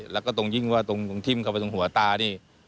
แล้วก็ตรงยิ่งว่าตรงทิ้มเข้าไปตรงหัวตานี่